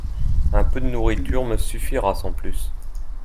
Un peu de nourriture me suffira sans plus.